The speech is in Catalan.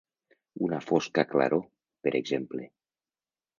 Una «fosca claror», per exemple.